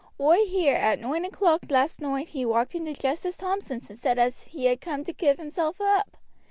"Oi hear, at noine o'clock last noight he walked in to Justice Thompson's and said as he had coom to give hisself up.